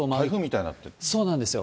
そうなんですよ。